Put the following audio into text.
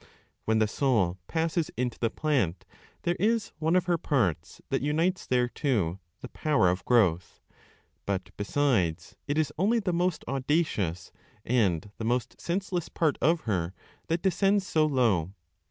When the soul passes into the plant, there is one of her parts that unites thereto (the power of growth); but besides, it is only the most audacious and the most senseless part of her that descends so low.